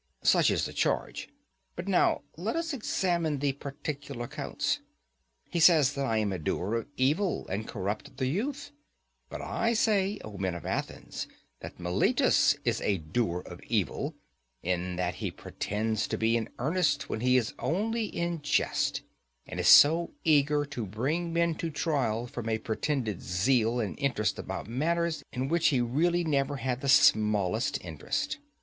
Such is the charge; and now let us examine the particular counts. He says that I am a doer of evil, and corrupt the youth; but I say, O men of Athens, that Meletus is a doer of evil, in that he pretends to be in earnest when he is only in jest, and is so eager to bring men to trial from a pretended zeal and interest about matters in which he really never had the smallest interest.